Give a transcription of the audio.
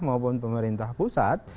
maupun pemerintah pusat